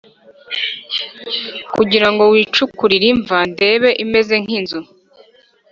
kugira ngo wicukurire imva ndende imeze nk’inzu,